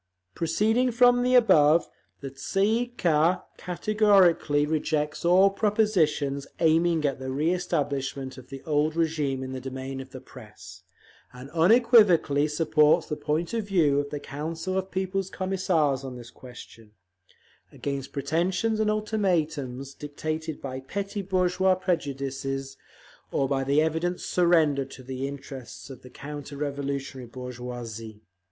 Proceeding from the above, the Tsay ee kah categorically rejects all propositions aiming at the reëstablishment of the old régime in the domain of the Press, and unequivocally supports the point of view of the Council of People's Commissars on this question, against pretentions and ultimatums dictated by petty bourgeois prejudices, or by evident surrender to the interests of the counter revolutionary bourgeoisie.